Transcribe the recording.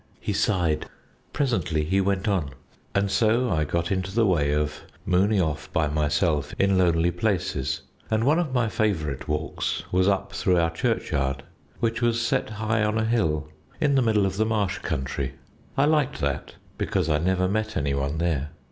He sighed. Presently he went on "And so I got into the way of mooning off by myself in lonely places, and one of my favourite walks was up through our churchyard, which was set high on a hill in the middle of the marsh country. I liked that because I never met any one there.